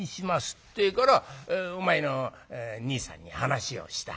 ってえからお前の兄さんに話をした。